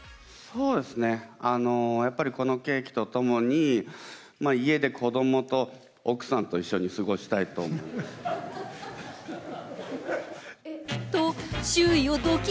やっぱり、このケーキとともに、家で子どもと奥さんと一緒に過ごしたいと思います。